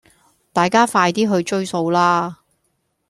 大家快啲去追數啦